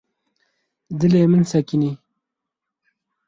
Dilê min sekinî.